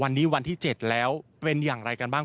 วันนี้วันที่๗แล้วเป็นอย่างไรกันบ้าง